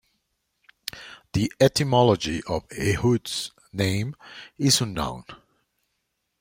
The etymology of Ehud's name is unknown.